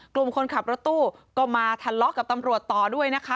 กลุ่มคนขับรถตู้ก็มาทะเลาะกับตำรวจต่อด้วยนะคะ